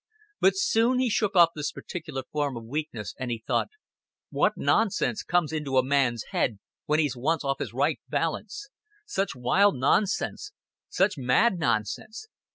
But soon he shook off this particular form of weakness, and thought, "What nonsense comes into a man's head, when he's once off his right balance such wild nonsense, such mad nonsense.